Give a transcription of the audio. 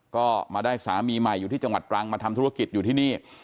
ก็มาได้สามีใหม่อยู่ที่จังหวัดตรังมาทำธุรกิจอยู่ที่นี่